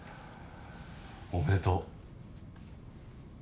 おめでとう。